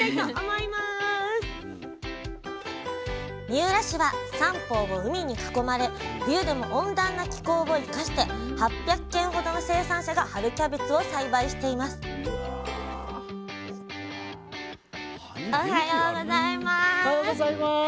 三浦市は三方を海に囲まれ冬でも温暖な気候を生かして８００軒ほどの生産者が春キャベツを栽培していますおはようございます。